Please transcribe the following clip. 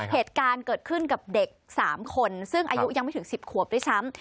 เหตุการณ์เกิดขึ้นกับเด็ก๓คนซึ่งอายุยังไม่ถึง๑๐ขวบด้วยซ้ำ